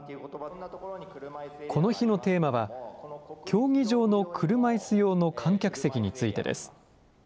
この日のテーマは、競技場の車いす用の観客席についてです。